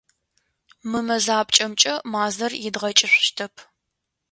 Мы мэзапкӏэмкӏэ мазэр идгъэкӏышъущтэп.